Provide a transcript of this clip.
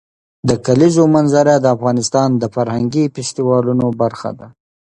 د کلیزو منظره د افغانستان د فرهنګي فستیوالونو برخه ده.